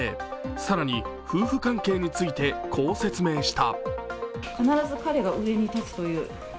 更に夫婦関係についてこう説明した。